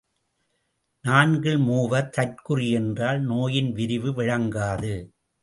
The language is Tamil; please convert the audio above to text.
நான்கில் மூவர் தற்குறி என்றால், நோயின் விரிவு விளங்காது.